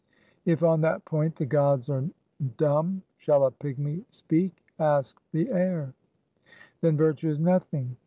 "If on that point the gods are dumb, shall a pigmy speak? Ask the air!" "Then Virtue is nothing."